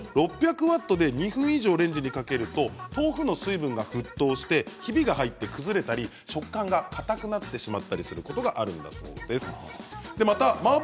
上田さんが実験したところ６００ワットで２分以上レンジにかけると豆腐の水分が沸騰してひびが入って崩れたり食感がかたくなってしまったりすることがあるんだそうです。